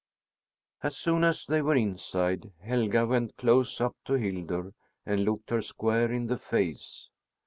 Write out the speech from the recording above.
As soon as they were inside, Helga went close up to Hildur and looked her square in the face.